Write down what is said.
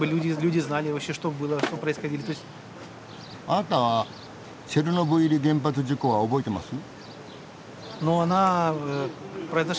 あなたはチェルノブイリ原発事故は覚えてます？